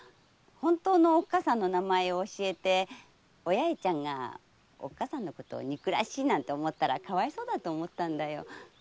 本当のおっかさんの名前を教えてお八重ちゃんがおっかさんのこと憎らしいなんて思ったらかわいそうだと思ったんだよ。